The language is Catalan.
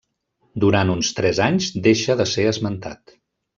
Durant uns tres anys deixa de ser esmentat.